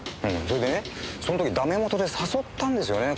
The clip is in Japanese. それでねその時ダメもとで誘ったんですよね